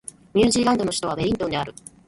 ニュージーランドの首都はウェリントンである